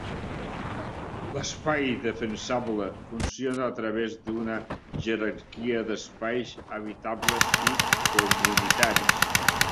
L'espai defensable funciona a través d'una jerarquia d'espais habitables i comunitaris.